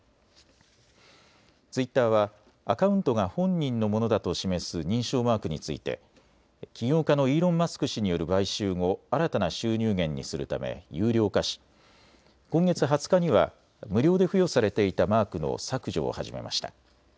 ツイッターはアカウントが本人のものだと示す認証マークについて起業家のイーロン・マスク氏による買収後、新たな収入源にするため有料化し今月２０日には無料で付与されていたマークの削除を始めました。